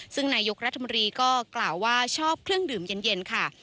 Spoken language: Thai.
ซึ่งนายกรัฐมนตรีก็กล่าวว่าชอบเครื่องดื่มเย็นค่ะ